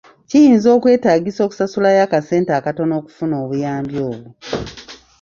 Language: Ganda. Kiyinza okukwetaagisa okusasulayo akasente akatono okufuna obuyambi obwo.